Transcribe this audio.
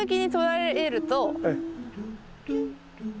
ええ。